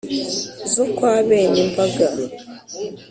Zo kwa bene Mbaga.